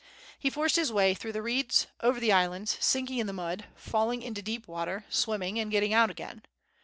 He forced his way through the reeds, over islands, sinking in the mud, falling into dee]) water, swimming and getting out again.